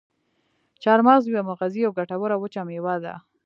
چارمغز یوه مغذي او ګټوره وچه میوه ده.